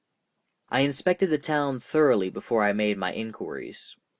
I inspected the town thoroughly before I made my inquiries.